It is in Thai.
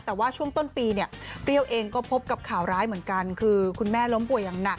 แต่ว่าช่วงต้นปีเนี่ยเปรี้ยวเองก็พบกับข่าวร้ายเหมือนกันคือคุณแม่ล้มป่วยอย่างหนัก